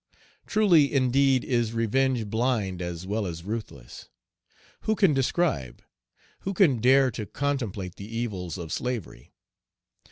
Truly, indeed, is revenge blind as well as ruthless. Who can describe, who can dare to contemplate, the evils of slavery?